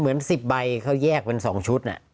เหมือน๑๐ใบเขาแยกเป็น๒ชุด